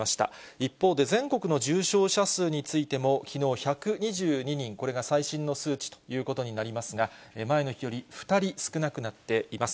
一方で、全国の重症者数についても、きのう１２２人、これが最新の数値ということになりますが、前の日より２人少なくなっています。